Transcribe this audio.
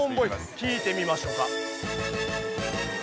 聴いてみましょか。